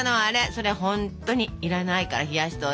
それほんとに要らないから冷やしといて。